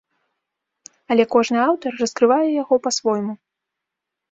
Але кожны аўтар раскрывае яго па-свойму.